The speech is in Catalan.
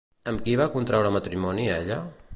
Amb qui va contraure matrimoni ella?